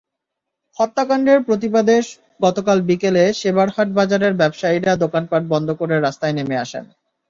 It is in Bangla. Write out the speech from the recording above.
হত্যাকাণ্ডের প্রতিবাদে গতকাল বিকেলে সেবারহাট বাজারের ব্যবসায়ীরা দোকানপাট বন্ধ করে রাস্তায় নেমে আসেন।